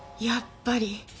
やっぱり。